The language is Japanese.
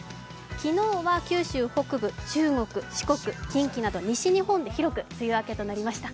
昨日は九州北部、四国、西日本で広く梅雨明けとなりました。